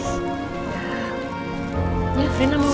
ya rena maunya doain oma baik ya